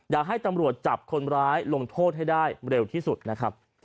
อยากให้ตำรวจจับคนร้ายลงโทษให้ได้เร็วที่สุดนะครับ